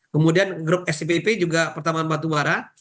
kemudian grup sdpp juga pertambangan batu warah